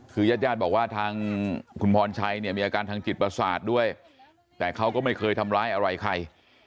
คือญาติญาติบอกว่าทางคุณพรชัยเนี่ยมีอาการทางจิตประสาทด้วยแต่เขาก็ไม่เคยทำร้ายอะไรใคร